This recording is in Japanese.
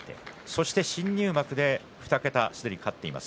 そして新入幕で２桁すでに勝っています